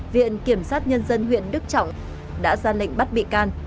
viện kiểm sát nhân dân huyện đức trọng đã ra lệnh bắt bị can